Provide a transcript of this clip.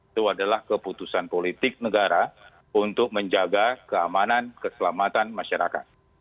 itu adalah keputusan politik negara untuk menjaga keamanan keselamatan masyarakat